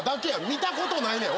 見たことないねん。